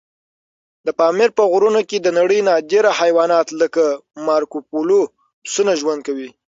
د پامیر په غرونو کې د نړۍ نادر حیوانات لکه مارکوپولو پسونه ژوند کوي.